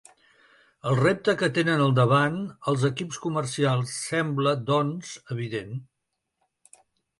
El repte que tenen al davant els equips comercials sembla, doncs, evident.